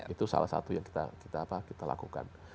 itu salah satu yang kita lakukan